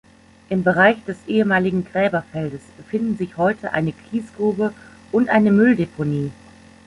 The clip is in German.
Im Bereich des ehemaligen Gräberfeldes befinden sich heute eine Kiesgrube und eine Mülldeponie.